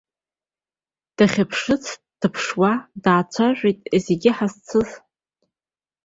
Дахьԥшыц дыԥшуа даацәажәеит зегь ҳазцыз.